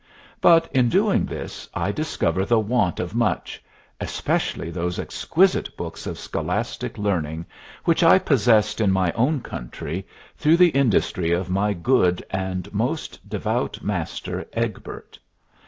But in doing this I discover the want of much, especially those exquisite books of scholastic learning which I possessed in my own country, through the industry of my good and most devout master, Egbert.